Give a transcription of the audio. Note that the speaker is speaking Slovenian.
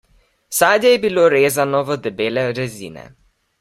Sadje je bilo rezano v debele rezine.